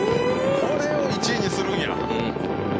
これを１位にするんや。